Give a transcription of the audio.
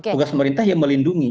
tugas pemerintah yang melindungi